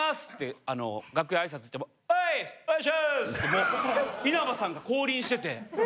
もう稲葉さんが降臨してて。